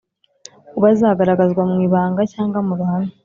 kuba zagaragazwa mu ibanga cyangwa muruhame